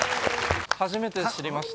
初めて知りました。